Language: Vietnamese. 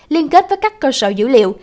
liên kết với các cơ sở dữ liệu